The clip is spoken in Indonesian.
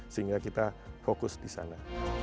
sehingga kita fokus di sana